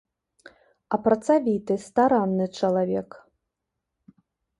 А працавіты, старанны чалавек.